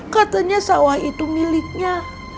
katanya sawah itu miliknya